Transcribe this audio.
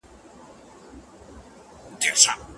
آیا د کوتري الوت د بټي تر الوت لوړ دی؟